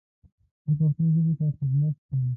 زه پښتو ژبې ته خدمت کوم.